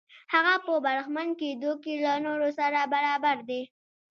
هغه په برخمن کېدو کې له نورو سره برابر دی.